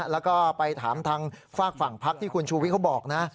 แล้วก็ไปถามทางฝากฝั่งพักที่คุณชูวิทย์เขาบอกนะ